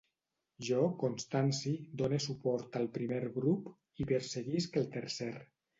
Jo, Constanci, done suport al primer grup i perseguisc el tercer.